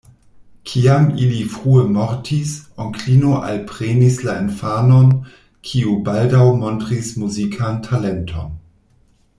Kiam ili frue mortis, onklino alprenis la infanon, kiu baldaŭ montris muzikan talenton.